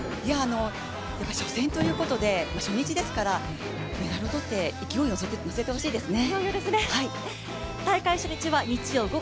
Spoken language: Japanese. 初戦ということで初日ですからメダルを取って勢いに乗せてほしいですね。